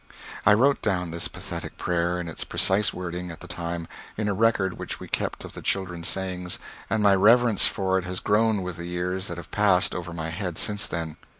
I wrote down this pathetic prayer in its precise wording, at the time, in a record which we kept of the children's sayings, and my reverence for it has grown with the years that have passed over my head since then.